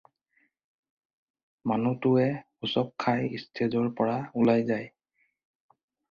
মানুহটোৱে উচপ খাই ষ্টেজৰ পৰা ওলাই যায়।